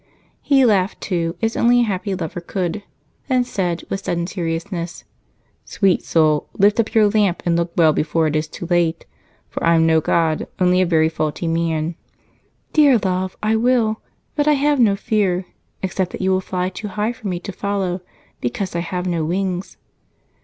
He laughed, too, as only a happy lover could, then said, with sudden seriousness: "Sweet soul! Lift up your lamp and look well before it is too late, for I'm no god, only a very faulty man." "Dear love! I will. But I have no fear, except that you will fly too high for me to follow, because I have no wings."